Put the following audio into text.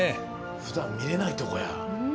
ふだん、見れないとこや。